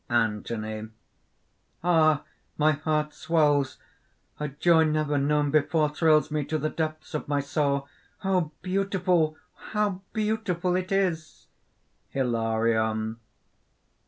_) ANTHONY. "Ah! my heart swells! A joy never known before thrills me to the depths of my soul! How beautiful, how beautiful it is!" HILARION.